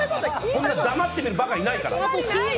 そんなの黙って見る馬鹿いないから。